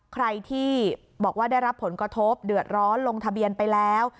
ใครที่บอกว่าได้รับผลกระทบเดือดร้อนลงทะเบียนไปแล้ว